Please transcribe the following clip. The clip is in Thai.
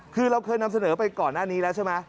คือเราเคยนำเสนอไปก่อนหน้านี้แล้วใช่ไหม